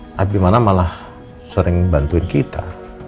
apalagi abimana malah sering membantuin kita